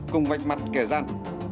cùng vạch mặt kẻ gian